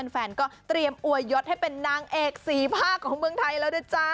แฟนก็เตรียมอวยยศให้เป็นนางเอกสีภาคของเมืองไทยแล้วนะจ๊ะ